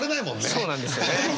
そうなんですよね。